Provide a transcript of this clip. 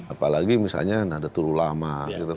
apalagi misalnya ada tulu lama gitu